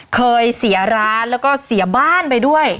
เคยเสียร้านแล้วก็เสียบ้านไปด้วย